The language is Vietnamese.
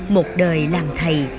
một đời làm thầy